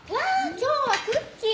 今日はクッキー！